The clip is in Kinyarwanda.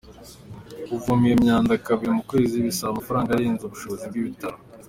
Kuvoma iyo myanda kabiri mu kwezi bisaba amafaranga arenze ubushobozi bw’ibitaro.